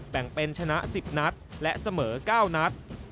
แบ่งเป็นชนะ๑๐นัดและเสมอ๙นัด